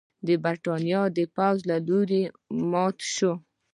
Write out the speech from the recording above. د برېټانیا د پوځ له لوري مات شو.